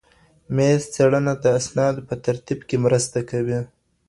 میز څېړنه د اسنادو په ترتیب کي مرسته کوي.